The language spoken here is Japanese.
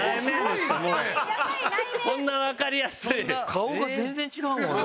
顔が全然違うもんな。